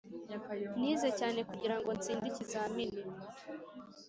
nize cyane kugirango ntsinde ikizamini.